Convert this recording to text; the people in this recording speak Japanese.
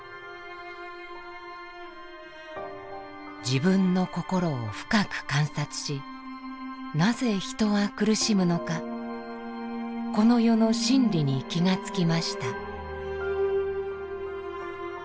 自分の心を深く観察しなぜ人は苦しむのかこの世の真理に気が付きました。